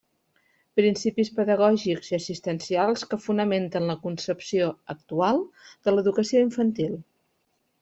Principis pedagògics i assistencials que fonamenten la concepció actual de l'educació infantil.